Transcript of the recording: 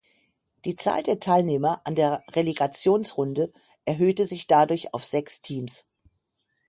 Die Zahl der Teilnehmer an der Relegationsrunde erhöhte sich dadurch auf sechs Teams.